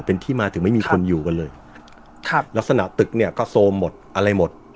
เป็นที่มาถึงไม่มีคนอยู่กันเลยครับลักษณะตึกเนี่ยก็โซมหมดอะไรหมด